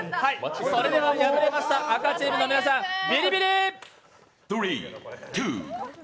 それでは赤チームの皆さん、ビリビリ！